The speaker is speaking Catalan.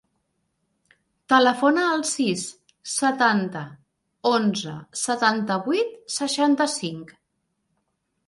Telefona al sis, setanta, onze, setanta-vuit, seixanta-cinc.